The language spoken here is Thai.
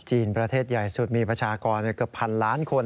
ประเทศใหญ่สุดมีประชากรเกือบพันล้านคน